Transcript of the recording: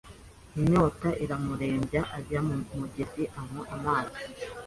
inyota iramurembya, ajya mu mugezi anywa amazi,